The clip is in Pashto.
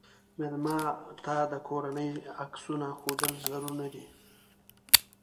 مېلمه ته د کورنۍ عکسونه ښودل ضرور نه دي.